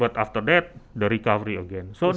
tapi setelah itu kembangkan lagi